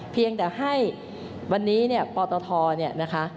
เพียงแต่ให้วันนี้เนี่ยปตทเนี่ยนะคะ